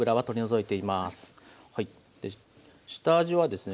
下味はですね